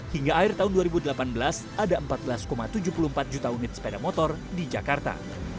hingga akhir tahun dua ribu delapan belas ada empat belas tujuh puluh empat juta unit sepeda motor di jakarta